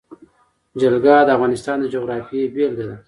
جلګه د افغانستان د جغرافیې بېلګه ده.